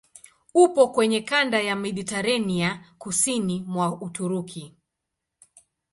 Upo kwenye kanda ya Mediteranea kusini mwa Uturuki.